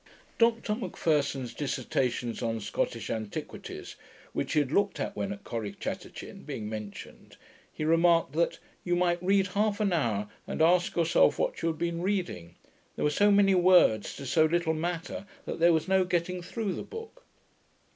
Dr M'Pherson's Dissertations on Scottish Antiquities, which he had looked at when at Corrichatachin, being mentioned, he remarked, that 'you might read half an hour, and ask yourself what you had been reading: there were so many words to so little matter, that there was no getting through the book'.